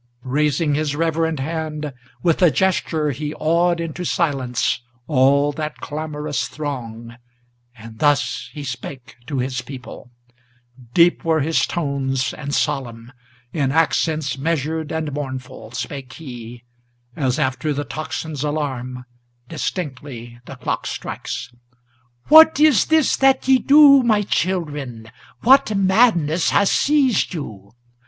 Raising his reverend hand, with a gesture he awed into silence All that clamorous throng; and thus he spake to his people; Deep were his tones and solemn; in accents measured and mournful Spake he, as, after the tocsin's alarum, distinctly the clock strikes. "What is this that ye do, my children? what madness has seized you?